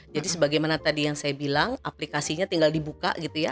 jadi sebagaimana tadi yang saya bilang aplikasinya tinggal dibuka gitu ya